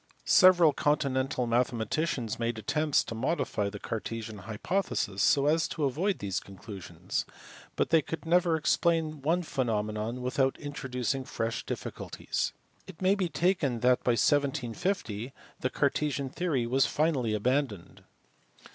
Several continental mathematicians made attempts to modify the Cartesian hypothesis so as to avoid these conclusions, but they could never explain one phenomenon without introducing fresh difficulties. It may be taken that by 1750 the Cartesian theory was finally abandoned.